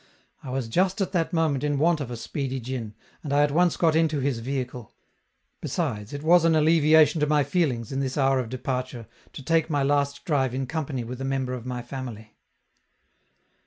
I was just at that moment in want of a speedy djin, and I at once got into his vehicle; besides, it was an alleviation to my feelings, in this hour of departure, to take my last drive in company with a member of my family.